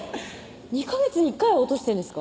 ２ヵ月に１回は落としてるんですか？